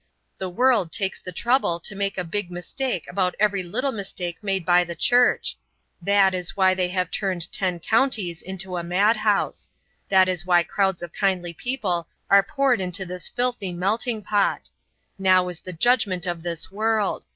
The world takes the trouble to make a big mistake about every little mistake made by the Church. That is why they have turned ten counties to a madhouse; that is why crowds of kindly people are poured into this filthy melting pot. Now is the judgement of this world.